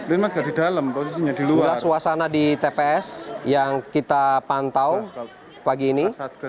ini masih dalam suasana di tps yang kita pantau pagi ini